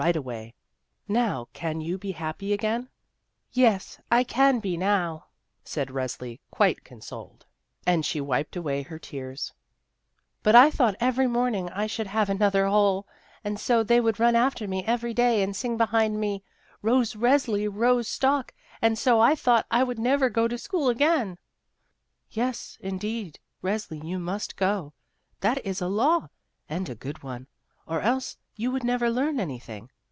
* And at the recollection of the insult which 37 ROSE RESLI'S TROUBLE 39 and she wiped away her tears, "but I thought every morning I should have another hole, and so they would run after me every day and sing behind me: *Rose Resli, rose stalk' — And so I thought I would never go to school again." "Yes, indeed, Resli, you must go; that is a law, and a good one, or else you would never learn anything.